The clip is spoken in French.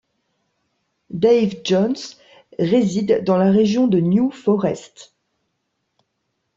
Dave Johns réside dans la région de New Forest.